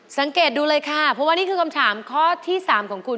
สังเกตดูเลยค่ะเพราะว่านี่คือคำถามข้อที่๓ของคุณ